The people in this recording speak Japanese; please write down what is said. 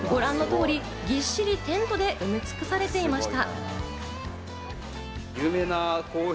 ご覧の通り、ぎっしりテントで埋め尽くされていました。